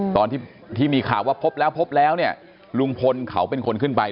ตอนที่มีข่าวว่าพบแล้วพบแล้วเนี่ยลุงพลเขาเป็นคนขึ้นไป